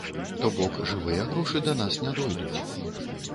То бок, жывыя грошы да нас не дойдуць.